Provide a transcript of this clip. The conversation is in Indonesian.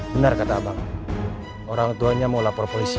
benar kata abang orang tuanya mau lapor polisi